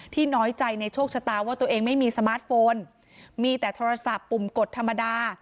น้อยใจในโชคชะตาว่าตัวเองไม่มีสมาร์ทโฟนมีแต่โทรศัพท์ปุ่มกดธรรมดา